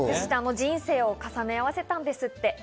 人生を重ね合わせたんですって。